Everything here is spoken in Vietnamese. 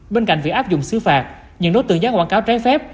bên cạnh việc áp dụng xứ phạt những đối tượng dán quảng cáo trái phép